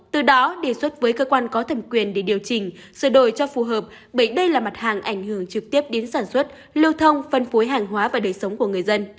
từ đó đề xuất với cơ quan có thẩm quyền để điều chỉnh sửa đổi cho phù hợp bởi đây là mặt hàng ảnh hưởng trực tiếp đến sản xuất lưu thông phân phối hàng hóa và đời sống của người dân